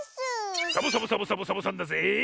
サボサボサボサボサボさんだぜえ！